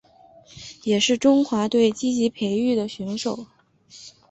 也是中华队积极培育的选手。